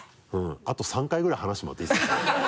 あと３回ぐらい話してもらっていいですか？